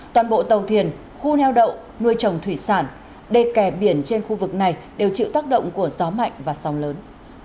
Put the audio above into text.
toàn bộ tàu thiền khu neo đậu nuôi trồng thủy sản đề kè biển trên khu vực này đều chịu tác động của gió mạnh và sóng lớn